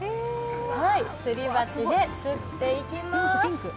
すり鉢ですっていきます。